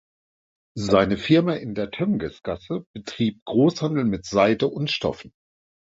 Seine Firma in der Töngesgasse betrieb Großhandel mit Seide und Stoffen.